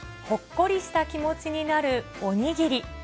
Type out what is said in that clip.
ほっこりした気持ちになるおにぎり。